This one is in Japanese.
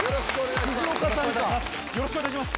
よろしくお願いします。